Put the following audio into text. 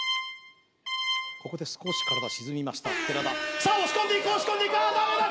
ここで少し体沈みました寺田さあ押し込んでいくダメだ